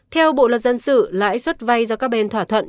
theo bộ luật dân sự lãi suất vay do các bên